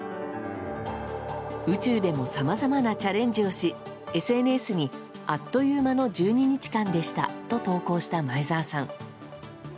宇宙でもさまざまなチャレンジをしＳＮＳに、あっという間の１２日間でしたと投稿した前澤さん。